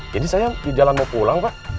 jadi saya di jalan mau pulang pak